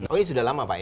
oh ini sudah lama pak ya